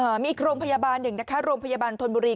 มีอีกโรงพยาบาลหนึ่งนะคะโรงพยาบาลธนบุรี